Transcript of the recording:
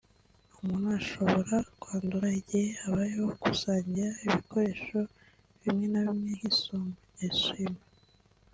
umuntu ashobora kwandura igihe habayeho gusangira ibikoresho bimwe na bimwe nk’isume (essui- mains)